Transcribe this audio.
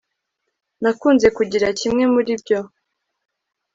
nakunze kugira kimwe muri ibyo